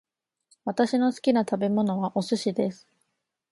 私の好きな食べ物はお寿司です